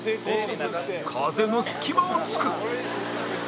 風の隙間を作る